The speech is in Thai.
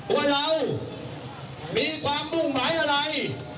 ว่าเรามีความมุ่งหมายอะไร